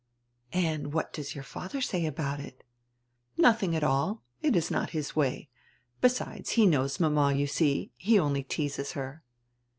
"And what does your father say about it?" "Nothing at all. It is not his way. Besides, he knows mama, you see. He only teases her."